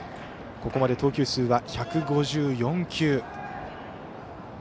ここまで投球数は１５４球。